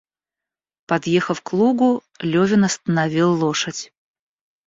Подъехав к лугу, Левин остановил лошадь.